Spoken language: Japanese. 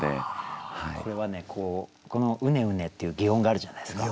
これはこの「うねうね」っていう擬音があるじゃないですか。